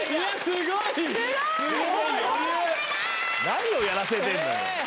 ・何をやらせてんのよ。